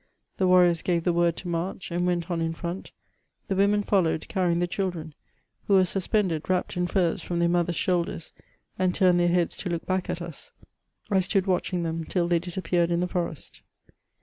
The warriors gave the word to march, and went on in front ;, the won^en followed, carrying the children, who were sus pended, wrapped in furs, from their mothers' shoulders, and turned their heads to look back at us. I stood watching them till they disappeared in the forest.